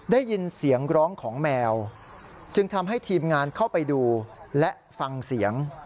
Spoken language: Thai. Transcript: ได้ยินเสียงร้องของแมวจึงทำให้ทีมงานเข้าไปดูและฟังเสียง